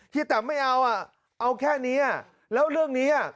แตมไม่เอาอ่ะเอาแค่นี้แล้วเรื่องนี้อ่ะ